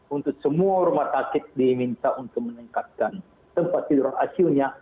untuk semua rumah sakit diminta untuk meningkatkan tempat tidur icunya